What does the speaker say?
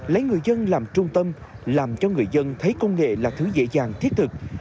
lấy người dân làm trung tâm làm cho người dân thấy công nghệ là thứ dễ dàng thiết thực